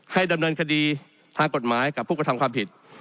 ดำเนินคดีทางกฎหมายกับผู้กระทำความผิด